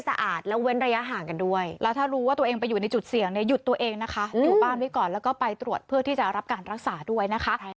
ถ้ารู้ว่าตัวเองไปอยู่ในจุดเสี่ยงหยุดตัวเองนะคะอยู่บ้านไว้ก่อนแล้วก็ไปตรวจเพื่อที่จะรับการรักษาด้วยนะคะ